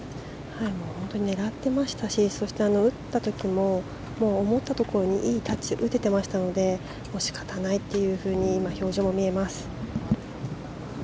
本当に狙ってましたし打った時も思ったところにいいタッチ、打ててましたので仕方ないというふうに今、表情も見えます。